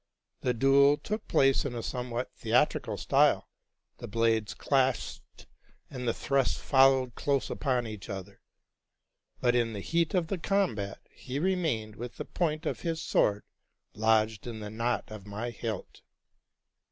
The duel took place*in a somewhat theatrical style, — the blades clashed, and the thrusts followed close upon each other ; but in the heat of the combat he remained with the point of his sword lodged in the knot of my hilt.